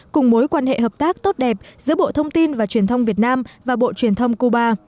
cùng mối quan hệ hợp tác tốt đẹp giữa bộ thông tin và truyền thông việt nam và bộ truyền thông cuba